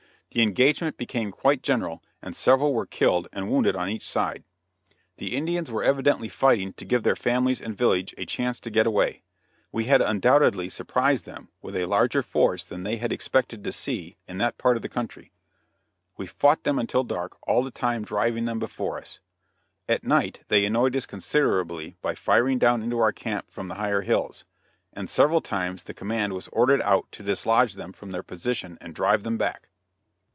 The engagement became quite general, and several were killed and wounded on each side. The Indians were evidently fighting to give their families and village, a chance to get away. We had undoubtedly surprised them with a larger force than they had expected to see in that part of the country. We fought them until dark, all the time driving them before us. At night they annoyed us considerably by firing down into our camp from the higher hills, and several times the command was ordered out to dislodge them from their position and drive them back.